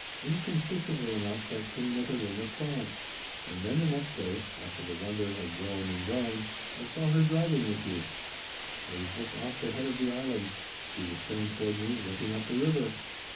inconsistently enough that came with a ring of triumph. "And then the next day after the wonder had grown and grown I saw her driving with you. I was just off the head of the Island. She was turned toward me, looking up the river.